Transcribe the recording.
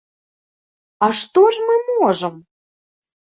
А што ж мы можам?